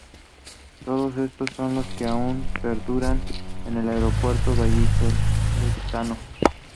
Todos estos, son los que aun perduran en el aeropuerto vallisoletano.